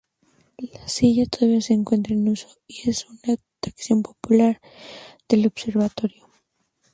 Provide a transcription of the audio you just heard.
La silla todavía se encuentra en uso y es una atracción popular del observatorio.